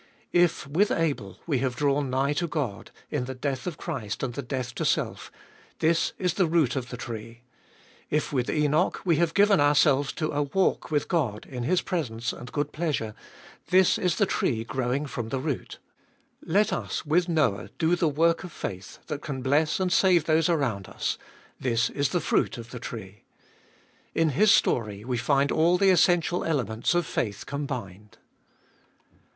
If with Abel we have drawn nigh to God, in the death of Christ and the death to self — this is the root of the tree ; if with Enoch we have given ourselves to a walk with God, in His presence and good pleasure — this is the tree growing from the root ; let us, with Noah, do the work of faith, that can bless and save those around us — this is the fruit of the tree. In his story we find all the essential elements of faith combined.